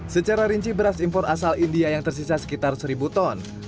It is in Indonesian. secara rinci beras impor asal india yang tersisa sekitar seribu ton